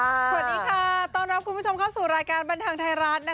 สวัสดีค่ะต้อนรับคุณผู้ชมเข้าสู่รายการบันเทิงไทยรัฐนะคะ